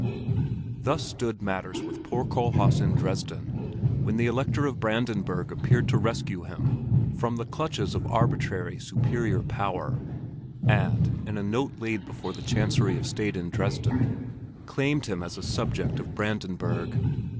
Thus stood matters with poor Kohlhaas in Dresden when the Elector of Brandenburg appeared to rescue him from the clutches of arbitrary, superior power, and, in a note laid before the Chancery of State in Dresden, claimed him as a subject of Brandenburg.